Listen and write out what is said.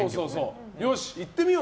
よし、いってみよう。